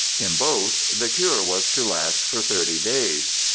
In both the cure was to last for thirty da3's.